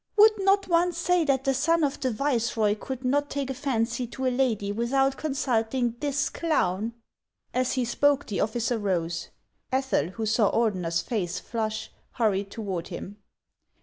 Would not one say that the son of the viceroy could not take a fancy to a lady without consulting this clown ?" As he spoke, the officer rose. Ethel, who saw Ordener's face flush, hurried toward him.